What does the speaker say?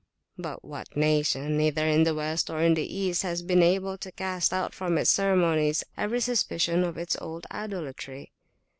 But what nation, either in the West or in the East, has been able to cast out from its ceremonies every suspicion of its old idolatry?